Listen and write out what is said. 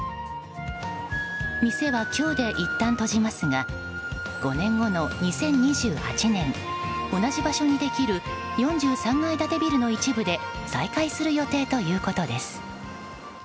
店は今日でいったん閉じますが５年後の２０２８年同じ場所にできる４３階建てビルの一部で再開する予定ということです。